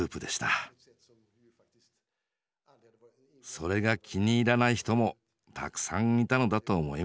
それが気に入らない人もたくさんいたのだと思います。